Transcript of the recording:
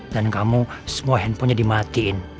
dan kamu semua handphonenya dimatiin